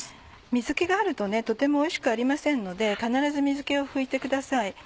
水気があるとねとてもおいしくありませんので必ず水気を拭いてください。